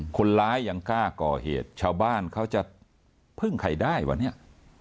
คนร้ายยังกล้าก่อเหตุชาวบ้านเขาจะพึ่งใครได้ว่ะเนี่ย